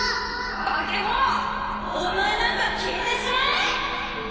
化け物お前なんか消えてしまえ！